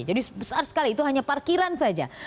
jadi besar sekali itu hanya parkiran saja